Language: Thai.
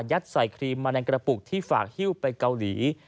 ใส่ครีมมาในกระปุกที่ฝากฮิ้วไปเกาหลี